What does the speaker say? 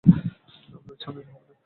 আপনার ইচ্ছানুযায়ী হবে না।